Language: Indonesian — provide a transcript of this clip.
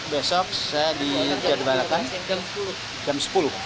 besok saya di jadwalakan jam sepuluh